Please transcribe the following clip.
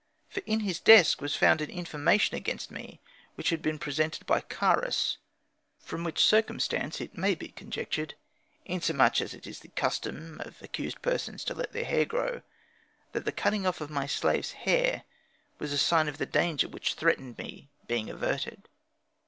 For in his desk was found an information against me which had been presented by Carus; from which circumstance it may be conjectured inasmuch as it is the custom of accused persons to let their hair grow that the cutting off of my slaves' hair was a sign of the danger which threatened me being averted.